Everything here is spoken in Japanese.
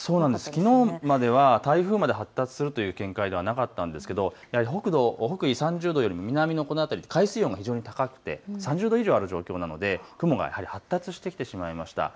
きのうまでは台風まで発達するという見解ではなかったんですが北緯３０度よりも南のこの辺り、海水温が非常に高くて３０度以上ある状況なので雲が発達してきてしまいました。